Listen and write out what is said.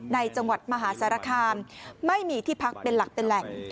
จังหวัดมหาสารคามไม่มีที่พักเป็นหลักเป็นแหล่ง